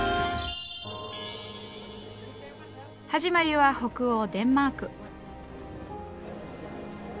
始まりは北欧デンマーク。